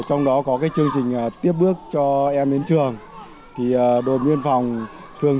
trong đó có cái chương trình tiếp bước cho em đến trường